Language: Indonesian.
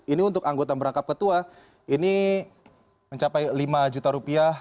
ini untuk anggota merangkap ketua ini mencapai lima juta rupiah